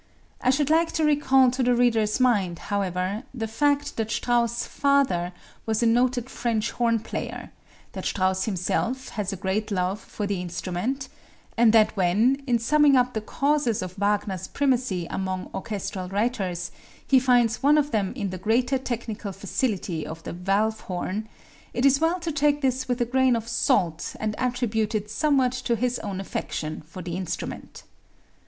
I should like to recall to the reader's mind, however, the fact that Strauss' father was a noted French horn player; that Strauss himself has a great love for the instrument; and that when, in summing up the causes of Wagner's primacy among orchestral writers, he finds one of them in the greater technical facility of the valve horn, it is well to take this with a grain of salt and attribute it somewhat to his own affection for the instrument.